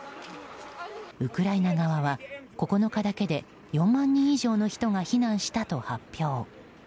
ウクライナ側は、９日だけで４万人以上の人が避難したと発表。